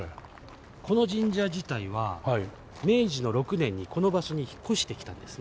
この神社自体は明治の６年にこの場所に引っ越してきたんですね。